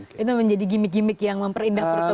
itu menjadi gimmick gimmick yang memperindah pertemuan